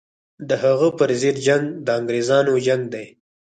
د هغه پر ضد جنګ د انګرېزانو جنګ دی.